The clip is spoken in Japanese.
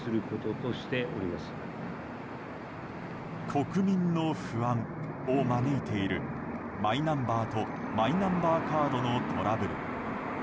国民の不安を招いているマイナンバーとマイナンバーカードのトラブル。